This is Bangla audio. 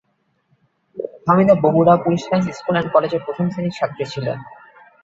Fahmida Bogura police lines school and কলেজের প্রথম শ্রেণীর ছাত্রী ছিল।